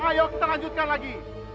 ayo kita lanjutkan lagi